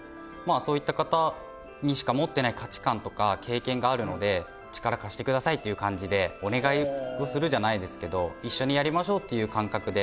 あそういった方にしか持ってない価値観とか経験があるので「力貸してください」という感じでお願いをするじゃないですけどいっしょにやりましょうっていう感覚で。